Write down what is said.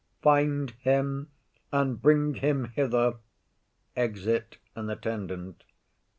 Find him, and bring him hither. [_Exit an Attendant.